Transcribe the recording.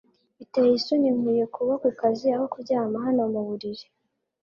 Biteye isoni Nkwiye kuba kukazi aho kuryama hano muburiri